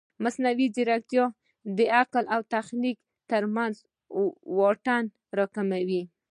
مصنوعي ځیرکتیا د عقل او تخنیک ترمنځ واټن راکموي.